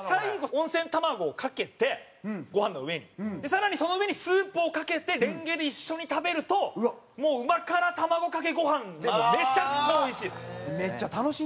更にその上にスープをかけてれんげで一緒に食べるともううまから玉子かけご飯でめちゃくちゃおいしいです。